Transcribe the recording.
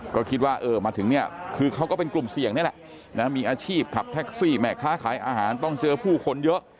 ก็คิดว่าเออมาถึงเนี่ยคือเขาก็เป็นกลุ่มเสี่ยงนี่แหละนะมีอาชีพขับแท็กซี่แม่ค้าขายอาหารต้องเจอผู้คนเยอะ